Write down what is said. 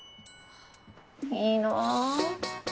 いいな。